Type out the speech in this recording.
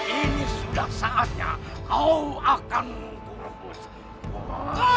ini sudah saatnya kau akan muntuh